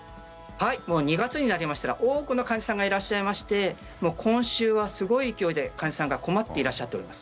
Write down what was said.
もう２月になりましたら多くの患者さんがいらっしゃいまして今週はすごい勢いで患者さんが困っていらっしゃっております。